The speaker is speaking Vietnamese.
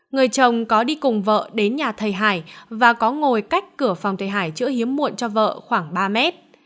người chồng có đi cùng vợ đến nhà thầy hải và có ngồi cách cửa phòng thầy hải chữa hiếm muộn cho vợ khoảng ba mét